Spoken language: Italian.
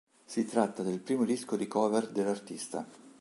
Si tratta del primo disco di cover dell'artista.